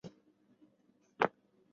祖父徐庆。